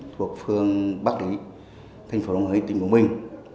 thuộc phường bắc lý thành phố hồ hải tình của mình